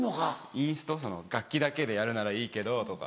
「インスト楽器だけでやるならいいけど」とか。